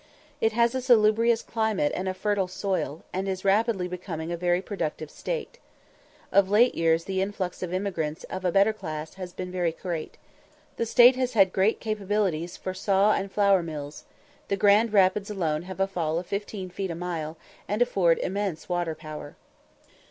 It has a salubrious climate and a fertile soil, and is rapidly becoming a very productive State. Of late years the influx of emigrants of a better class has been very great. The State has great capabilities for saw and flour mills; the Grand Rapids alone have a fall of fifteen feet in a mile, and afford immense water power.